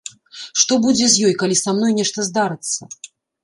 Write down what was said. Што будзе з ёй, калі са мной нешта здарыцца?